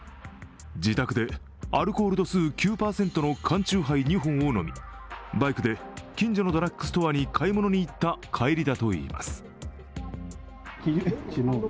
自宅でアルコール度数９％の缶酎ハイ２本を飲み、バイクで近所のドラッグストアに買い物に行った帰りだといいます。